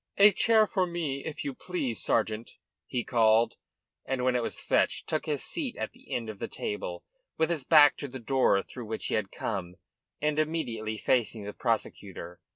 "A chair here for me, if you please, sergeant," he called and, when it was fetched, took his seat at the end of the table, with his back to the door through which he had come and immediately facing the prosecutor.